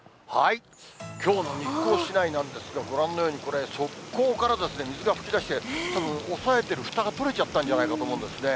きょうの日光市内なんですが、ご覧のように、これ、側溝から水が噴き出して、たぶん、押さえてるふたがとれちゃったんじゃないかと思うんですね。